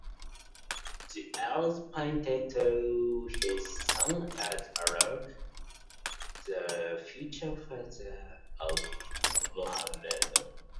The arrows pointed to his son Abd-Allah, the future father of Muhammad.